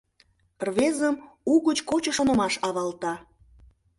— Рвезым угыч кочо шонымаш авалта.